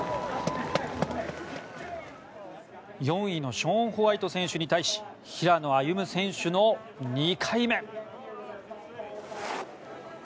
４位のショーン・ホワイト選手に対し平野歩夢選手の２回目。